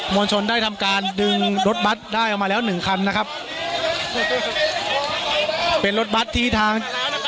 วลชนได้ทำการดึงรถบัตรได้ออกมาแล้วหนึ่งคันนะครับเป็นรถบัตรที่ทาง